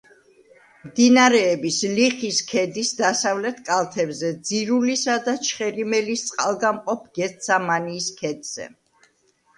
მდინარეების ლიხის ქედის დასავლეთ კალთებზე, ძირულისა და ჩხერიმელის წყალგამყოფ გედსამანიის ქედზე.